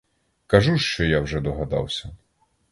Кажу ж, що я вже догадався.